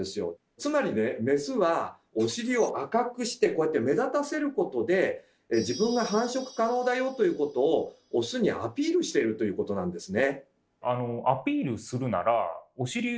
つまりねメスはお尻を赤くしてこうやって目立たせることで自分が繁殖可能だよということをオスにアピールしてるということなんですね。